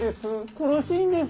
くるしいんです。